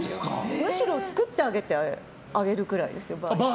むしろ作ってあげるくらいですよ。